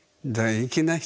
粋な人。